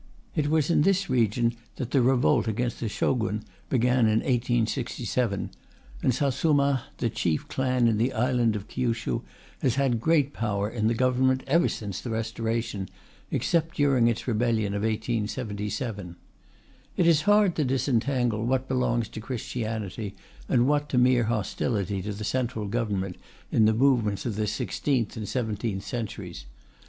It was in this region that the revolt against the Shogun began in 1867, and Satsuma, the chief clan in the island of Kyushu, has had great power in the Government ever since the Restoration, except during its rebellion of 1877. It is hard to disentangle what belongs to Christianity and what to mere hostility to the Central Government in the movements of the sixteenth and seventeenth centuries.